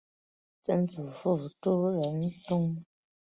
曾祖父朱仁仲。